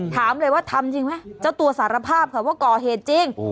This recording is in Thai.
ถามเลยว่าทำจริงไหมเจ้าตัวสารภาพค่ะว่าก่อเหตุจริง